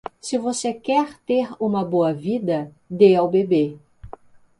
Se você quer ter uma boa vida, dê ao bebê.